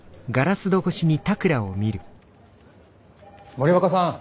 森若さん